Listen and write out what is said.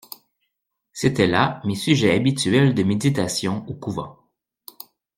C'étaient là mes sujets habituels de méditations au couvent.